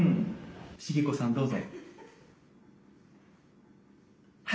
シゲ子さんどうぞ。